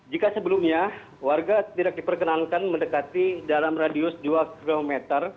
jika sebelumnya warga tidak diperkenankan mendekati dalam radius dua km